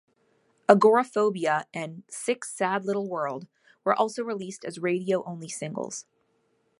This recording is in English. "Agoraphobia" and "Sick Sad Little World" were also released as radio-only singles.